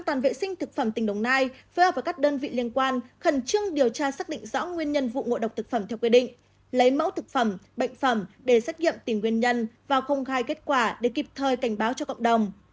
trước sự việc trên sở y tế đồng nai phối hợp với các đơn vị liên quan khẩn trương điều tra xác định rõ nguyên nhân vụ ngộ độc thực phẩm theo quy định lấy mẫu thực phẩm bệnh phẩm để xét nghiệm tìm nguyên nhân và không gai kết quả để kịp thời cảnh báo cho cộng đồng